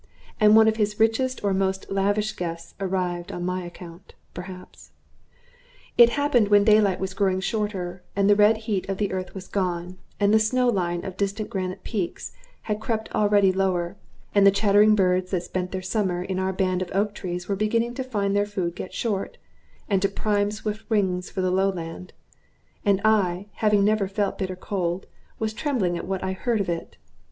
And one of his richest or most lavish guests arrived on my account, perhaps. It happened when daylight was growing shorter, and the red heat of the earth was gone, and the snow line of distant granite peaks had crept already lower, and the chattering birds that spent their summer in our band of oak trees were beginning to find their food get short, and to prime swift wings for the lowland; and I, having never felt bitter cold, was trembling at what I heard of it.